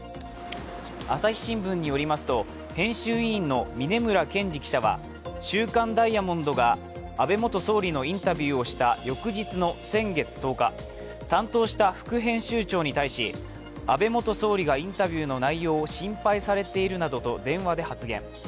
朝日新聞によりますと、編集委員の峯村健司記者は「週刊ダイヤモンド」が安倍元総理のインタビューをした翌日の先月１０日、担当した副編集長に対し、安倍元総理がインタビューの内容を心配されているなどと電話で発言。